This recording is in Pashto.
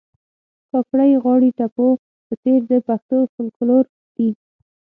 کاکړۍ غاړي ټپو په څېر د پښتو فولکور دي